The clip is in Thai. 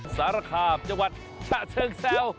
สารคามจังหวัดฉะเชิงเซา